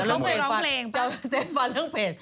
จะเอาเซฟรันซเตฟันเวลาวีน